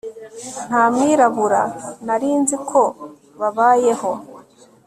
nta mwirabura nari nzi ko babayeho